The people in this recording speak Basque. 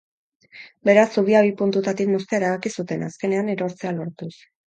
Beraz, zubia bi puntutatik moztea erabaki zuten, azkenean, erortzea lortuz.